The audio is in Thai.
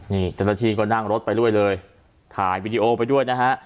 นี่เจ้าหน้าที่ก็นั่งรถไปด้วยเลยถ่ายวีดีโอไปด้วยนะฮะ